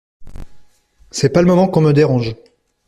C’est pas le moment qu’on me dérange.